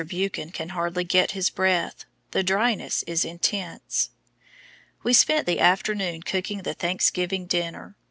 Buchan can hardly get his breath; the dryness is intense. We spent the afternoon cooking the Thanksgiving dinner.